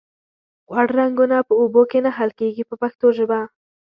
غوړ رنګونه په اوبو کې نه حل کیږي په پښتو ژبه.